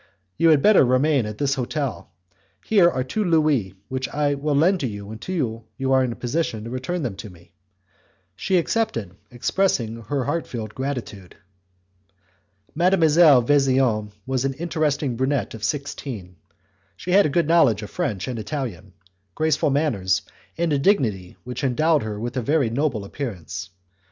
You had better remain at this hotel. Here are two Louis which I will lend you until you are in a position to return them to me." She accepted, expressing her heart felt gratitude. Mademoiselle Vesian was an interesting brunette of sixteen. She had a good knowledge of French and Italian, graceful manners, and a dignity which endowed her with a very noble appearance.